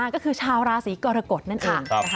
ก็คือชาวราศีกรกฎนั่นเอง